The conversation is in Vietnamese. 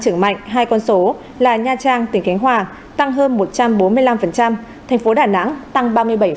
trưởng mạnh hai con số là nha trang tỉnh kánh hòa tăng hơn một trăm bốn mươi năm tp đà nẵng tăng ba mươi bảy